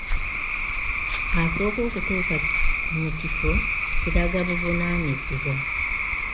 Asooka okutuuka mu kifo kiraga buvunaanyizibwa.